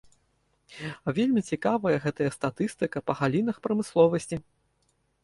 Вельмі цікавая гэтая статыстыка па галінах прамысловасці.